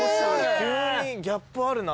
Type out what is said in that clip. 急にギャップあるな。